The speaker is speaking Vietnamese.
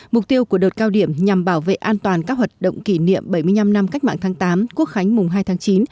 mục tiêu của đợt cao điểm nhằm bảo vệ an toàn các hoạt động kỷ niệm bảy mươi năm năm cách mạng tháng tám quốc khánh mùng hai tháng chín